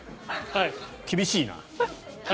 厳しいな。